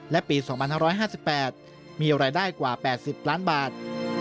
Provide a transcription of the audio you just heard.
และปี๒๕๕๘มีรายได้กว่า๘๐ล้านบาท